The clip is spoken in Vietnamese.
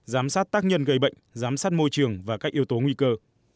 giám sát tác nhân gây bệnh giám sát môi trường và các yếu tố nguy cơ